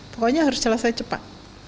pokoknya harus selesai cepat